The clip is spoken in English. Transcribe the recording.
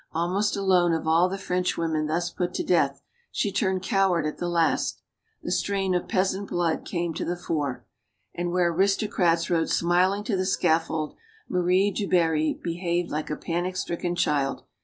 Almost alone of all the Frenchwomen thus put to death, she turned coward at the last. The strain of peasant blood came to the fore. And where aristocrats rode smiling to the scaffold, Marie du Barry behaved like a panic stricken child.